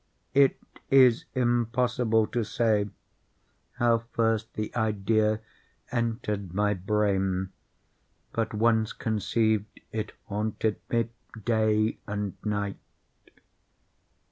It is impossible to say how first the idea entered my brain; but once conceived, it haunted me day and night.